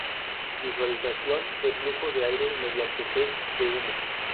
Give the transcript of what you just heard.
Visualización de flujo de aire mediante test de humo.